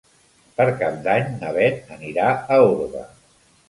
Per Cap d'Any na Beth anirà a Orba.